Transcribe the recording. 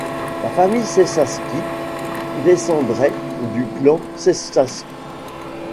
La famille Csáky descendrait du clan Csák.